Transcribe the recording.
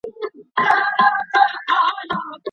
د سلما بند کوچنی نه دی.